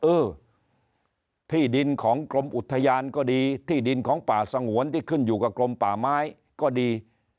เออที่ดินของกรมอุทยานก็ดีที่ดินของป่าสงวนที่ขึ้นอยู่กับกรมป่าไม้ก็ดี